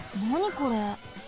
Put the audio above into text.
これ。